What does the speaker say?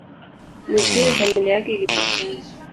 Mwishowe, familia yake ilipatikana.